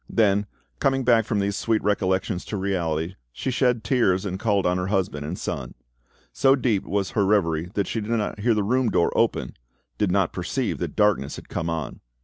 Then, coming back from these sweet recollections to reality, she shed tears, and called on her husband and son. So deep was her reverie that she did not hear the room door open, did not perceive that darkness had come on.